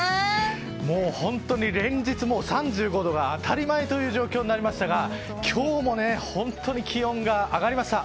もう本当に連日３５度が当たり前となりましたが今日も本当に気温が上がりました。